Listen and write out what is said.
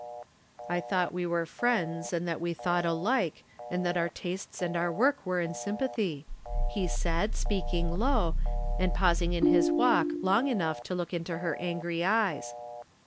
" I thought we were friends and that we thought alike, and that our tastes and our work were in sympathy," he said, speaking low, and pausing in his walk long enough to look into her angry eyes.